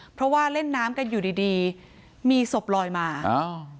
เพราะว่าเล่นน้ำกันอยู่ดีดีมีศพลอยมาอ้าว